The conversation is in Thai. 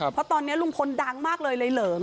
เพราะตอนนี้ลุงพลดังมากเลยเลยเหลิม